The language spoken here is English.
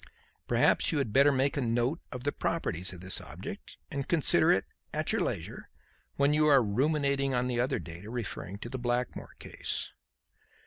Perhaps you had better make a note of the properties of this object, and consider it at your leisure when you are ruminating on the other data referring to the Blackmore case."